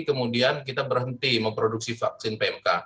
kemudian kita berhenti memproduksi vaksin pmk